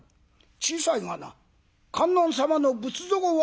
小さいがな観音様の仏像をあげよう」。